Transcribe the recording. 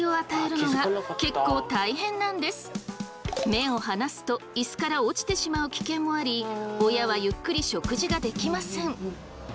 目を離すとイスから落ちてしまう危険もあり親はゆっくり食事ができません。